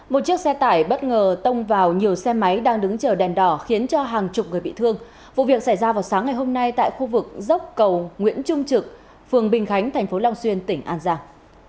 một chiếc xe tải bất ngờ tông vào nhiều xe máy đang đứng chờ đèn đỏ khiến cho hàng chục người bị thương vụ việc xảy ra vào sáng ngày hôm nay tại khu vực dốc cầu nguyễn trung trực phường bình khánh thành phố long xuyên tỉnh an giang